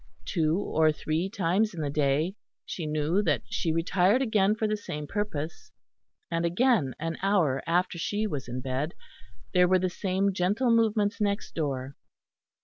Two or three times in the day she knew that she retired again for the same purpose, and again an hour after she was in bed, there were the same gentle movements next door.